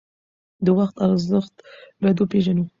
د وخت ارزښت باید وپیژنو.